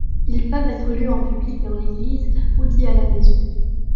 Ils peuvent être lus en public dans l'église, ou dits à la maison.